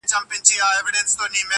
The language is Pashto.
و خوږ زړگي ته مي~